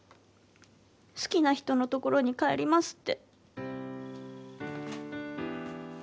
好きな人の所に帰りますって。